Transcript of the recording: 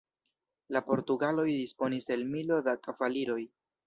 La portugaloj disponis el milo da kavaliroj.